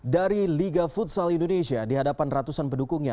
dari liga futsal indonesia di hadapan ratusan pendukungnya